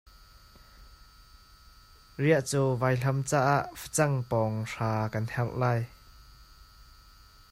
Riahcaw vaihlam caah facang pawng hra kan herh lai.